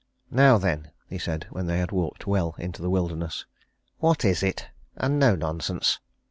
"Now then!" he said, when they had walked well into the wilderness. "What is it? And no nonsense!"